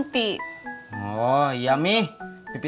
tidak ada apa apa